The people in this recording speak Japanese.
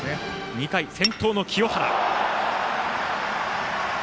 ２回、先頭の清原。